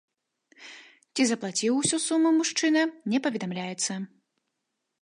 Ці заплаціў усю суму мужчына, не паведамляецца.